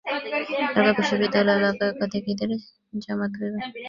ঢাকা বিশ্ববিদ্যালয় এলাকায় একাধিক ঈদের জামাত হবে।